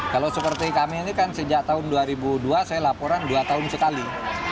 kalau seperti kami ini kan sejak tahun dua ribu dua saya laporan dua tahun sekali